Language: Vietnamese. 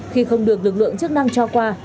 khi không được lực lượng chức năng cho qua